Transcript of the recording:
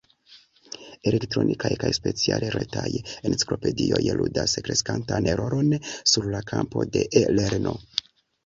Elektronikaj kaj speciale retaj enciklopedioj ludas kreskantan rolon sur la kampo de e-lerno.